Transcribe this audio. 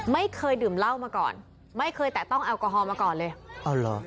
ไม่เคยดื่มเหล้ามาก่อนไม่เคยแตะต้องแอลกอฮอลมาก่อนเลยอ๋อเหรอ